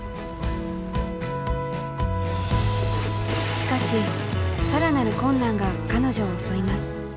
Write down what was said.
しかし更なる困難が彼女を襲います。